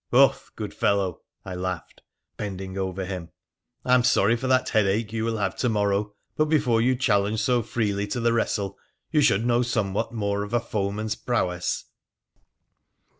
' Hoth ! good fellow,' I laughed, bending over him, ' I am sorry for that headache you will have to morrow, but before you challenge so freely to the wrestle you should know some what more of a foeman's prowess